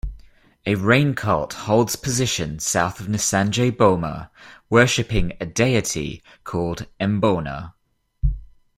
A rain cult holds position south of Nsanje boma worshipping a deity called Mbona.